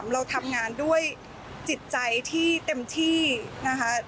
เราทำงานด้วยจิตใจที่เต็มที่นะคะ